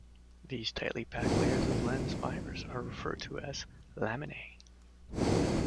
These tightly packed layers of lens fibers are referred to as laminae.